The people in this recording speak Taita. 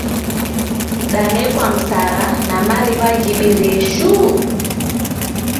Danekwa msara na mariw’a ghibirie shuu!